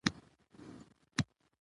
په افغانستان کې مېوې شتون لري.